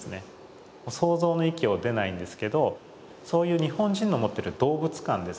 想像の域を出ないんですけどそういう日本人の持ってる動物観ですね